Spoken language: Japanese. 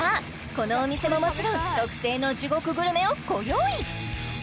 このお店ももちろん特製の地獄グルメをご用意